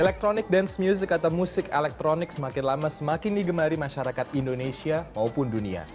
electronic dance music atau musik elektronik semakin lama semakin digemari masyarakat indonesia maupun dunia